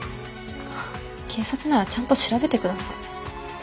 警察ならちゃんと調べてください。